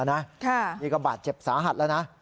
นี่ก็บาดเจ็บสาหัสแล้วนะ